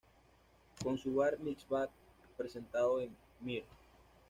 Con su bar mitzvah, presentando a Mr.